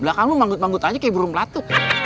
belakang lu manggut manggut aja kayak burung pelatu